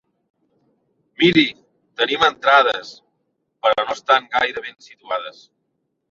Miri, tenim entrades, però no estan gaire ben situades.